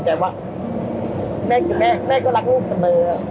แต่ว่าแม่ก็รักลูกเสมอ